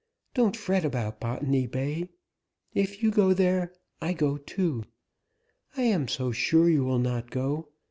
Don't fret about Botany Bay. If you go there, I go too. I am so sure you will not go.